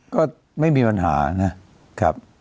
ก็ไม่มีปัญหานะครับ